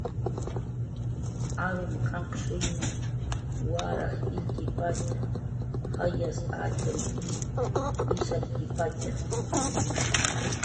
Arum qanqshuym waraj illkipatxa, jayas atxamkun ishapkipatxa